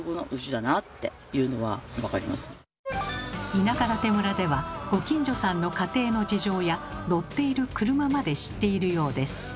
田舎館村ではご近所さんの家庭の事情や乗っている車まで知っているようです。